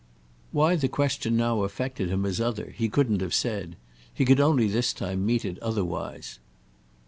Why the question now affected him as other he couldn't have said; he could only this time meet it otherwise.